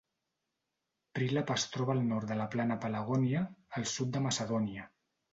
Prilep es troba al nord de la plana Pelagonia, al sud de Macedònia.